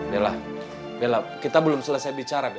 bella kita belum selesai bicara